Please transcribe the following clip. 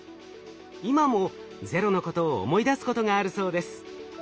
今も「ＺＥＲＯ」のことを思い出すことがあるそうです。